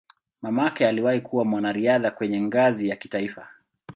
Mamake aliwahi kuwa mwanariadha kwenye ngazi ya kitaifa.